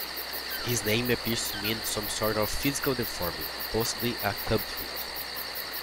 His name appears to mean some sort of physical deforming, possibly a clubfoot.